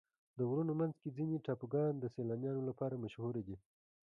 د غرونو منځ کې ځینې ټاپوګان د سیلانیانو لپاره مشهوره دي.